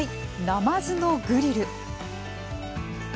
ナマズのグリル。